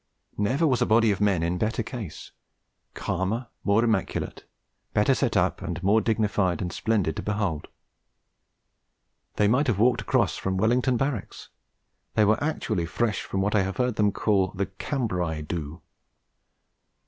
Never was a body of men in better case calmer, more immaculate, better set up, more dignified and splendid to behold. They might have walked across from Wellington Barracks; they were actually fresh from what I have heard them call 'the Cambrai do.'